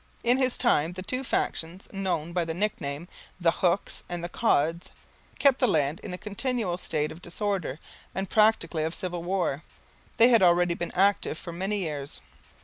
In his time the two factions, known by the nicknames of "the Hooks" and "the Cods," kept the land in a continual state of disorder and practically of civil war. They had already been active for many years.